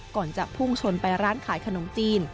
ก่อนจะพุ่งชนไปร้านขายขนมจีน